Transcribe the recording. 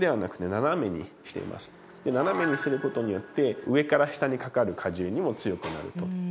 斜めにする事によって上から下にかかる荷重にも強くなると。